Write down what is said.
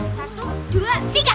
satu dua tiga